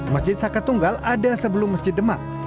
masjid saka tunggal ada sebelum masjid demak